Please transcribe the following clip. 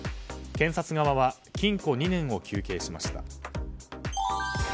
検察側は禁錮２年を求刑しました。